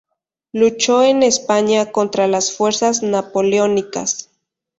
Luchó en España contra las fuerzas napoleónicas.